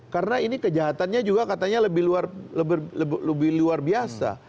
karena ini kejahatannya juga katanya lebih luar biasa